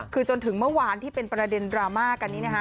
คือจนถึงเมื่อวานที่เป็นประเด็นดราม่ากันนี้นะคะ